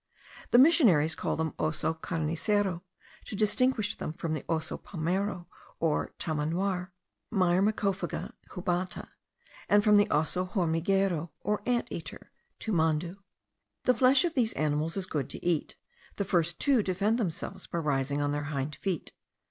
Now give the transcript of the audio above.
The missionaries call them osso carnicero, to distinguish them from the osso palmero or tamanoir (Myrmecophaga jubata), and from the osso hormigero, or anteater (tamandua). The flesh of these animals is good to eat; the first two defend themselves by rising on their hind feet.